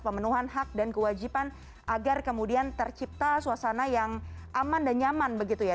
pemenuhan hak dan kewajiban agar kemudian tercipta suasana yang aman dan nyaman begitu ya